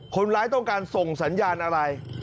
คนร้ายต้องการส่งสัญญาณอะไร